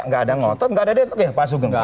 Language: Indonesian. gak ada ngotot gak ada deadlock ya pasu geng